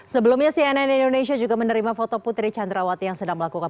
sebelumnya cnn indonesia juga menerima foto putri candrawati yang sedang melakukan